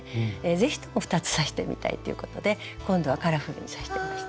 是非とも２つ刺してみたいということで今度はカラフルに刺してみました。